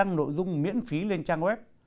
đăng nội dung miễn phí lên trang web